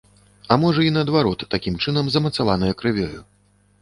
А можа, і наадварот такім чынам змацаванае крывёю.